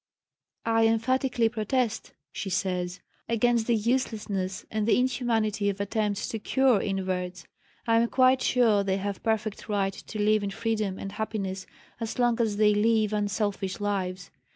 "I emphatically protest," she says, "against the uselessness and the inhumanity of attempts to 'cure' inverts. I am quite sure they have perfect right to live in freedom and happiness as long as they live unselfish lives.